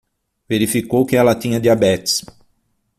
Verificou que ela tinha diabetes